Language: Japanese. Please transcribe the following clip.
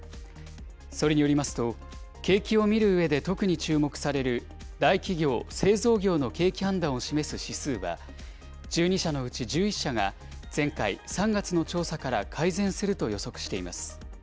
それによりますと、景気を見るうえで特に注目される大企業・製造業の景気判断を示す指数は、１２社のうち１１社が、前回・３月の調査から改善すると予測しています。